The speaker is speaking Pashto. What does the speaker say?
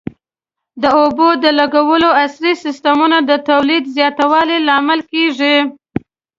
د اوبو د لګولو عصري سیستمونه د تولید زیاتوالي لامل کېږي.